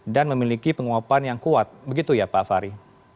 dan memiliki penguapan yang kuat begitu ya pak fahri